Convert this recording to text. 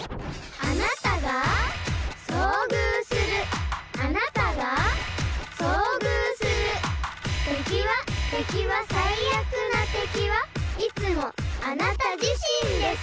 あなたが遭遇するあなたが遭遇する敵は敵は最悪な敵はいつもあなた自身です